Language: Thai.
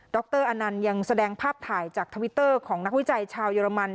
รอนันต์ยังแสดงภาพถ่ายจากทวิตเตอร์ของนักวิจัยชาวเยอรมัน